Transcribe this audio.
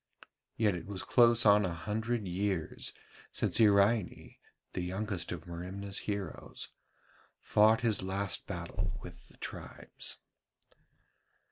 Yet it was close on a hundred years since Iraine, the youngest of Merimna's heroes, fought his last battle with the tribes.